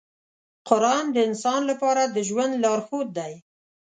قرآن د انسان لپاره د ژوند لارښود دی.